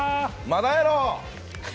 まだやろ！